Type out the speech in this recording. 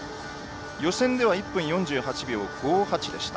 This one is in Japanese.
予選では１分４８秒５８でした。